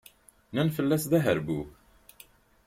Nnan fell-as d aherbub.